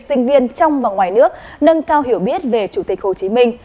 sinh viên trong và ngoài nước nâng cao hiểu biết về chủ tịch hồ chí minh